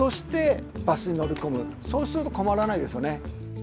そうすると困らないですよね。